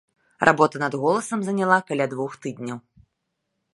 Работа над голасам заняла каля двух тыдняў.